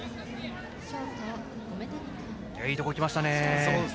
いいところに行きましたね。